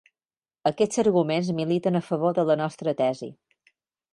Aquests arguments militen a favor de la nostra tesi.